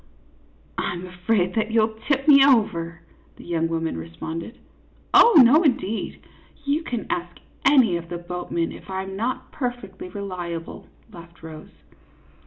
" I 'm afraid that you '11 tip me over," that young woman responded. " Oh, no, indeed ! You can ask any of the boat men if I 'm not perfectly reliable," laughed Rose.